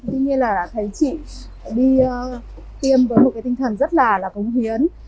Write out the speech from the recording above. tuy nhiên là thấy chị đi tiêm với một cái tinh thần rất là cống hiến